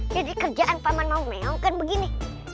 jadi kerjaan paman mau meong kan begini